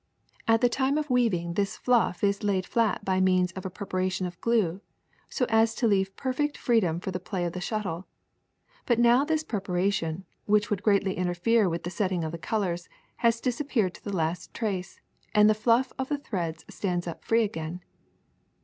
At the CALICO 61 time of wea\H[ng this fluff is laid flat by means of a preparation of glue, so as to leave perfect freedom for the play of the shuttle ; but now this preparation, which would greatly interfere with the setting of the colors, has disappeared to the last trace, and the fluff of the threads stands up free again.